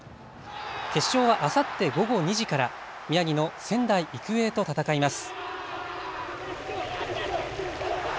決勝はあさって午後２時から宮城の仙台育英と戦います。